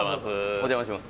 お邪魔します